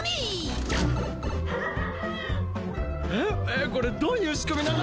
えっ、これどういう仕組みなの？